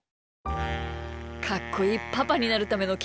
かっこいいパパになるためのけんきゅう！